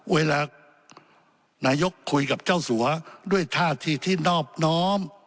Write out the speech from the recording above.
เวลานายกคุยกับเจ้าสัวด้วยท่าทีที่นอบน้อม